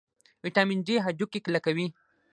ویټامین ډي هډوکي کلکوي